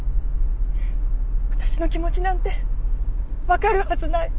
私の気持ちなんてわかるはずない。